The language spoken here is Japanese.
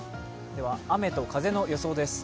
雨と風の予想です。